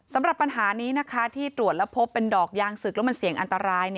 สำหรับปัญหานี้นะคะที่ตรวจแล้วพบเป็นดอกยางศึกแล้วมันเสี่ยงอันตราย